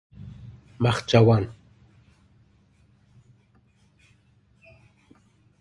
مخچوان